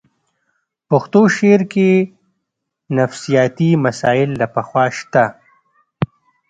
پښتو شعر کې نفسیاتي مسایل له پخوا شته